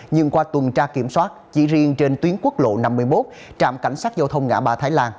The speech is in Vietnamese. nhưng qua tuần tra kiểm soát chỉ riêng trên tuyến quốc lộ năm mươi một trạm cảnh sát giao thông ngã ba thái lan